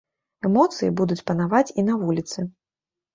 Эмоцыі будуць панаваць і на вуліцы.